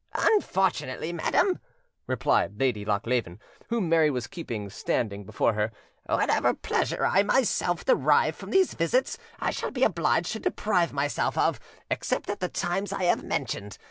"Unfortunately, madam," replied Lady Lochleven, whom Mary was keeping standing before her, "whatever pleasure I myself derive from these visits, I shall be obliged to deprive myself of, except at the times I have mentioned.